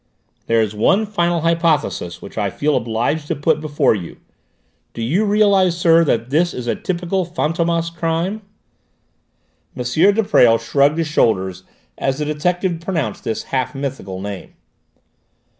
"There is one final hypothesis which I feel obliged to put before you. Do you realise, sir, that this is a typical Fantômas crime?" M. de Presles shrugged his shoulders as the detective pronounced this half mythical name.